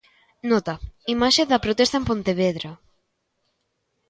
Nota: imaxe da protesta en Pontevedra.